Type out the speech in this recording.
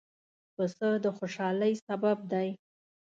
پسه د خوشحالۍ سبب دی.